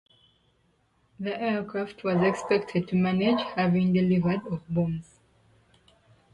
The aircraft was expected to manage having delivered of bombs.